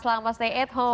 selamat stay at home